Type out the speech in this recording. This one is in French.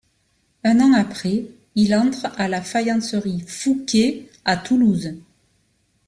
Un an après, il entre à la faïencerie Fouquet à Toulouse.